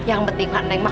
yang penting lah nek